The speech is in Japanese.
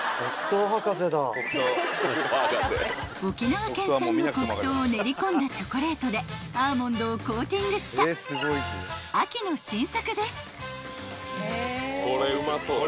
［沖縄県産の黒糖を練り込んだチョコレートでアーモンドをコーティングした秋の新作です］